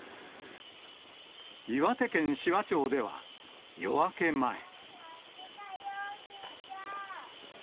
岩手県紫波町では、夜明け前。